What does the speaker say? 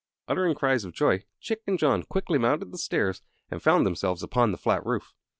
Uttering cries of joy, Chick and John quickly mounted the stairs and found themselves upon the flat roof.